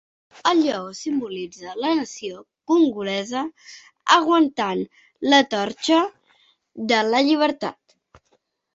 El lleó simbolitza la nació congolesa, aguantant la torxa de la llibertat.